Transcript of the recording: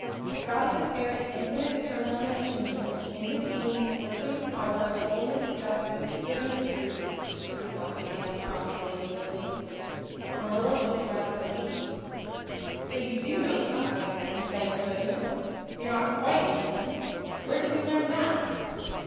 "'God is a spirit, infinite, eternal and unchangeable, in His being, wisdom, power, holiness, justice, goodness, and truth,'" responded Anne promptly and glibly. Marilla looked rather relieved. "So you do know something then, thank goodness! You're not quite a heathen. Where did you learn that?"